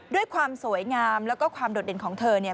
ด้วยความสวยงามแล้วก็ความโดดเด่นของเธอเนี่ย